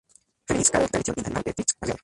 Feminist Care Tradition in Animal Ethics: A Reader.